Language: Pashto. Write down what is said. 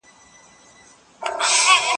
د ونې هره تازه پاڼه په مینه وګورئ.